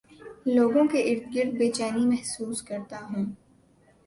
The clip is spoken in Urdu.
لوگوں کے ارد گرد بے چینی محسوس کرتا ہوں